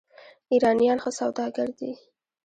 ایرانیان ښه سوداګر دي.